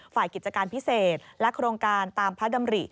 ฝ่ายกิจการพิเศษและโครงการตามพระดำริ